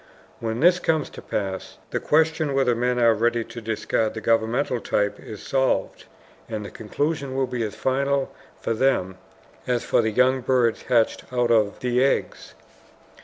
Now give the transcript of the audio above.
When this comes to pass, the question whether men are ready to discard the governmental type is solved. And the conclusion will be as final for them as for the young birds hatched out of the eggs.